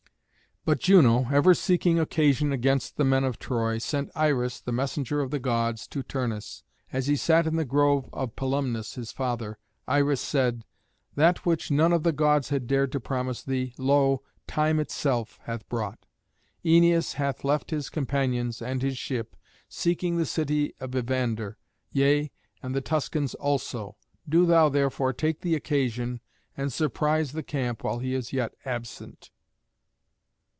But Juno, ever seeking occasion against the men of Troy, sent Iris, the messenger of the Gods, to Turnus, as he sat in the grove of Pilumnus his father. Iris said, "That which none of the Gods had dared to promise thee, lo! time itself hath brought. Æneas hath left his companions and his ship, seeking the city of Evander, yea, and the Tuscans also. Do thou, therefore, take the occasion and surprise the camp while he is yet absent."